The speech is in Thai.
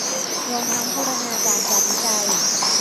รวมทั้งบูรณาการการวิจัย